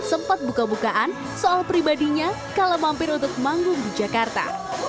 sempat buka bukaan soal pribadinya kalau mampir untuk manggung di jakarta